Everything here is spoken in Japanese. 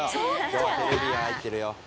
今日はテレビが入ってるよ。